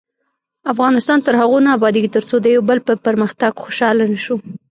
افغانستان تر هغو نه ابادیږي، ترڅو د یو بل په پرمختګ خوشحاله نشو.